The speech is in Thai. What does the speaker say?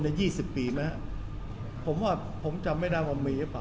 ยี่สิบปีไหมผมว่าผมจำไม่ได้ว่ามีหรือเปล่า